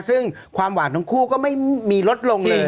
ซึ่งความหวานทั้งคู่ก็ไม่มีลดลงเลย